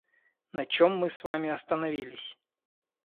На чем мы с вами остановились?